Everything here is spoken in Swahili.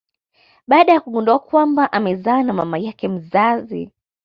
baada ya kugundua kwamba amezaa na mama yake mzazi.